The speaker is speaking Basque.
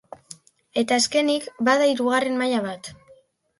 Eta azkenik, bada hirugarren maila bat.